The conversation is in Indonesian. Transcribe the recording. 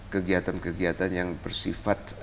kegiatan kegiatan yang bersifat